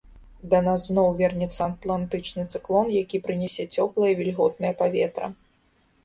Да нас зноў вернецца атлантычны цыклон, які прынясе цёплае вільготнае паветра.